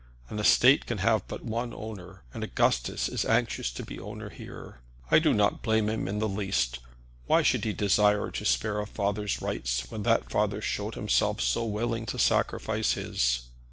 An estate can have but one owner, and Augustus is anxious to be owner here. I do not blame him in the least. Why should he desire to spare a father's rights when that father showed himself so willing to sacrifice his?